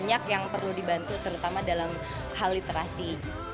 jadi aku pikir ini adalah tempat yang perlu dibantu terutama dalam hal literasi